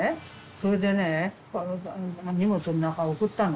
それでね荷物の中へ送ったの。